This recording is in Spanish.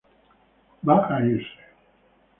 Él va a irse.